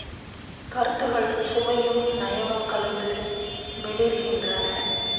கருத்துகள் சுவையும், நயமும் கலந்து மிளிர்கின்றன.